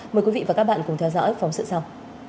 mời quý vị và các bạn cùng theo dõi phóng sự sau